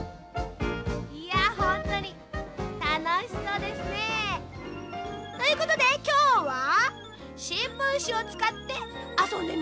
ほんとにたのしそうですね。ということできょうはしんぶんしをつかってあそんでみました。